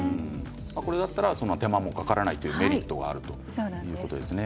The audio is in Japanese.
これだったら手間もかからないというメリットがありますね。